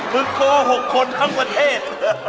มึงโทร๖คนทั้งประเทศ